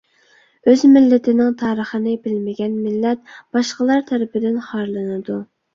ئۆز مىللىتىنىڭ تارىخىنى بىلمىگەن مىللەت باشقىلار تەرىپىدىن خارلىنىدۇ.